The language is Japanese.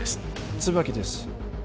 椿です